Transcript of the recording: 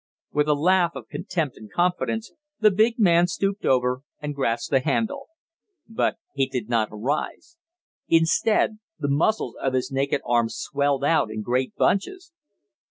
With a laugh of contempt and confidence, the big man stooped over and grasped the handle. But he did not arise. Instead, the muscles of his naked arm swelled out in great bunches.